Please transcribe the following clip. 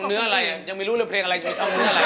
ท่องเนื้ออะไรยังไม่รู้เรื่องเพลงอะไรอยู่ท่องเนื้ออะไร